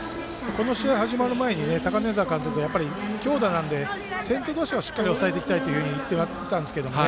この試合、始まる前に高根澤監督強打なので先頭打者をしっかり抑えていきたいと話してましたね。